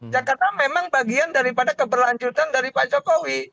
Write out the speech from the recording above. ya karena memang bagian daripada keberlanjutan dari pak jokowi